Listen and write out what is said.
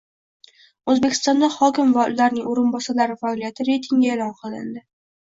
O‘zbekistonda hokim va ularning o‘rinbosarlari faoliyati reytingi e’lon qilindi